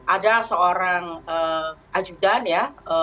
ada seorang ajudan ya